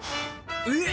えっ！